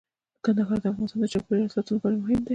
کندهار د افغانستان د چاپیریال ساتنې لپاره مهم دي.